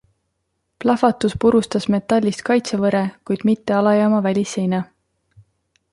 Plahvatus purustas metallist kaitsevõre, kuid mitte alajaama välisseina.